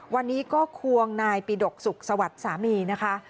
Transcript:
วันนี้ก็ควงนายปิดกสุขสวัสดิ์สามีนะคะ